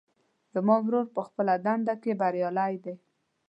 زما ورور په خپله دنده کې بریالی ده